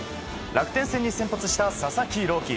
楽天戦に先発した佐々木朗希。